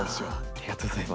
ありがとうございます。